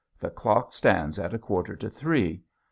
The clock stands at a quarter to three.